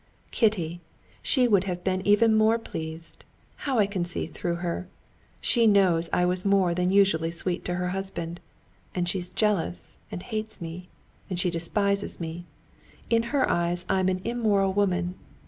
Kitty, she would have been even more pleased. How I can see through her! She knows I was more than usually sweet to her husband. And she's jealous and hates me. And she despises me. In her eyes I'm an immoral woman.